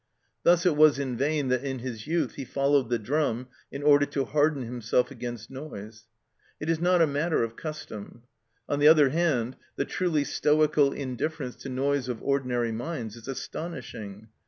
Thus it was in vain that in his youth he followed the drum in order to harden himself against noise. It is not a matter of custom. On the other hand, the truly stoical indifference to noise of ordinary minds is astonishing.